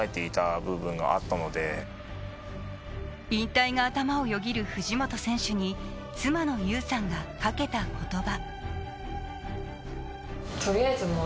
引退が頭をよぎる藤本選手に妻の優さんがかけた言葉。